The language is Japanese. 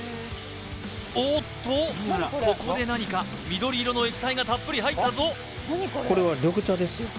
おっとここで何か緑色の液体がたっぷり入ったぞ緑茶？